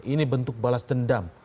ini bentuk balas dendam